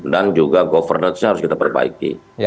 dan juga governance nya harus kita perbaiki